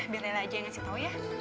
biar lela aja yang ngasih tau ya